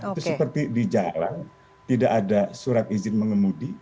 itu seperti di jalan tidak ada surat izin mengemudi